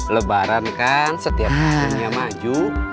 lebaran kan setiap musimnya maju